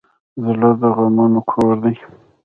زړه د غمونو کور دی.